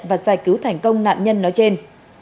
và giải cứu thành công nạn nhân nói trên